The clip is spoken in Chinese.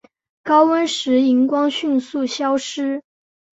高温时荧光迅速消失。